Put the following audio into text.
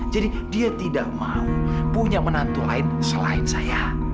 jadi dia tidak mau punya menantu lain selain saya